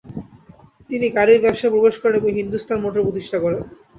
তিনি গাড়ির ব্যবসায়ে প্রবেশ করেন এবং হিন্দুস্তান মোটর প্রতিষ্ঠা করেন।